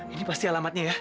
ini pasti alamatnya ya